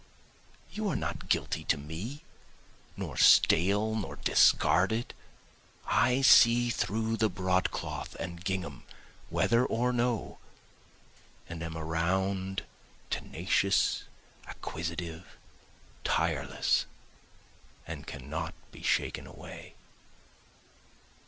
you are not guilty to me, nor stale nor discarded, I see through the broadcloth and gingham whether or no, And am around, tenacious, acquisitive, tireless, and cannot be shaken away.